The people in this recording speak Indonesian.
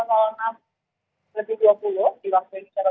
itu membawa sekitar total tujuh puluh empat penumpang